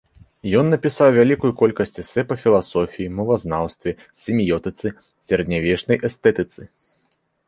Ён напісаў вялікую колькасць эсэ па філасофіі, мовазнаўстве, семіётыцы, сярэднявечнай эстэтыцы.